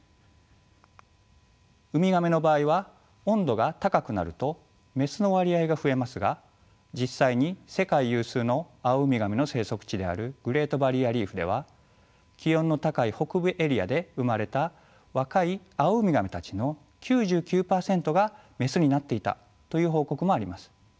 ウミガメの場合は温度が高くなるとメスの割合が増えますが実際に世界有数のアオウミガメの生息地であるグレートバリアリーフでは気温の高い北部エリアで生まれた若いアオウミガメたちの９９％がメスになっていたという報告もあります。